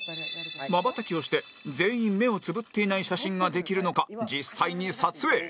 まばたきをして全員目をつぶっていない写真ができるのか実際に撮影